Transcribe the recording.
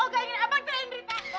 olga ingin abang cerahin berita